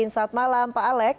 selamat malam pak alex